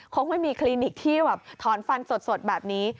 คงไม่มีคลินิกที่แบบถอนฟันสดแบบนี้